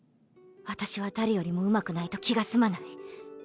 私は誰よりもうまくないと気が済まない。